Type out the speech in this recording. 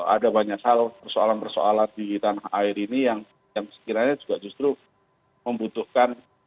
ada banyak hal persoalan persoalan di tanah air ini yang sekiranya juga justru membutuhkan